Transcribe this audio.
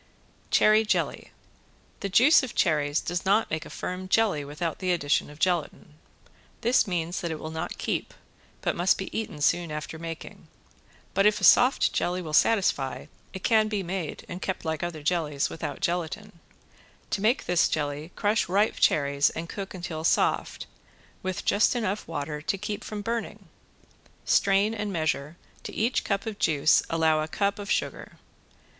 ~CHERRY JELLY~ The juice of cherries does not make a firm jelly without the addition of gelatin. This means that it will not keep, but must be eaten soon after making. But if a soft jelly will satisfy it can be made, and kept like other jellies, without gelatin. To make this jelly crush ripe cherries and cook until soft, with just enough water to keep from burning. Strain and measure, to each cup of juice allow a cup of sugar.